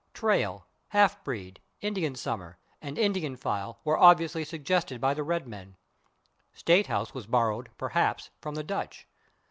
/Trail/, /half breed/, /Indian summer/ and [Pg047] /Indian file/ were obviously suggested by the Red Men. /State house/ was borrowed, perhaps, from the Dutch.